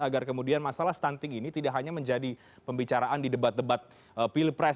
agar kemudian masalah stunting ini tidak hanya menjadi pembicaraan di debat debat pilpres